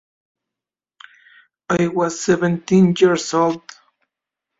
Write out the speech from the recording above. I was seventeen years old.